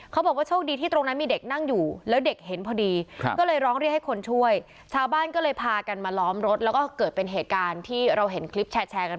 โชคดีที่ตรงนั้นมีเด็กนั่งอยู่แล้วเด็กเห็นพอดีก็เลยร้องเรียกให้คนช่วยชาวบ้านก็เลยพากันมาล้อมรถแล้วก็เกิดเป็นเหตุการณ์ที่เราเห็นคลิปแชร์กัน